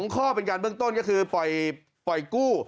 ข้อเป็นการเบื้องต้นก็คือปล่อยกู้